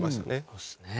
そうですね。